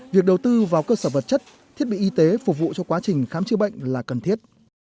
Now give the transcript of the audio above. việc đầu tư vào cơ sở vật chất thiết bị y tế phục vụ cho quá trình khám chữa bệnh là cần thiết